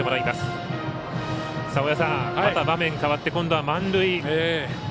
また場面変わって今度は満塁。